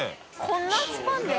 こんなスパンで？